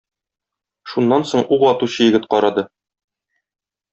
Шуннан соң ук атучы егет карады.